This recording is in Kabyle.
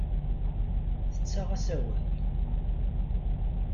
Tettaɣ-as awal.